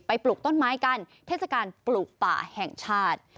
ปลูกต้นไม้กันเทศกาลปลูกป่าแห่งชาติ